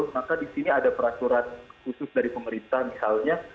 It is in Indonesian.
maka di sini ada peraturan khusus dari pemerintah misalnya